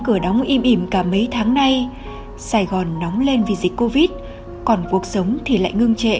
cửa đóng im ỉm cả mấy tháng nay sài gòn nóng lên vì dịch covid còn cuộc sống thì lại ngưng trệ